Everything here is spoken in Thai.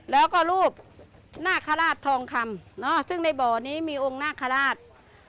แล้วก็รูปนาคาราชทองคำซึ่งในบ่อนี้มีองค์นาคาราช